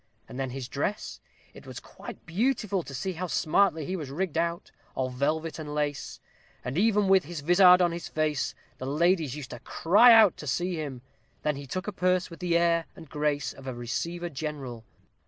And then his dress it was quite beautiful to see how smartly he was rigg'd out, all velvet and lace; and even with his vizard on his face, the ladies used to cry out to see him. Then he took a purse with the air and grace of a receiver general.